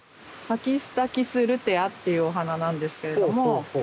パキスタキスルテアっていうお花なんですけれども。